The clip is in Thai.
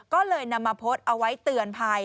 ก็เลยนำมาโพสต์เอาไว้เตือนภัย